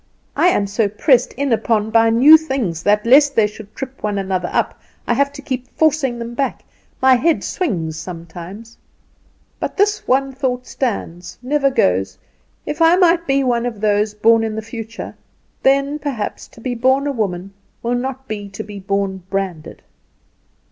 "I am so pressed in upon by new things that, lest they should trip one another up, I have to keep forcing them back. My head swings sometimes. But this one thought stands, never goes if I might but be one of these born in the future; then, perhaps, to be born a woman will not be to be born branded."